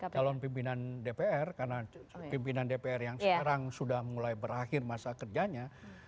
calon pimpinan dpr karena pimpinan dpr yang sekarang sudah mulai berakhir masa kerjanya